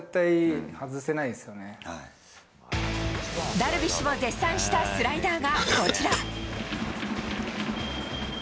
ダルビッシュも絶賛したスライダーがこちら。